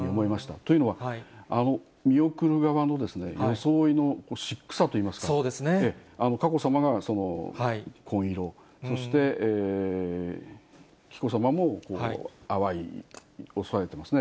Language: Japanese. というのは、あの見送る側の装いのシックさといいますか、佳子さまが紺色、そして、紀子さまも淡い、抑えてますね。